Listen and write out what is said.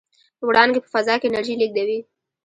وړانګې په فضا کې انرژي لېږدوي.